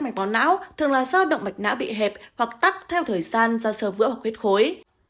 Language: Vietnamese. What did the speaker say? mạch bóng não thường là do động mạch não bị hẹp hoặc tắc theo thời gian do sơ vỡ hoặc huyết khối